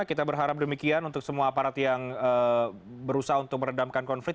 kita berharap demikian untuk semua aparat yang berusaha untuk meredamkan konflik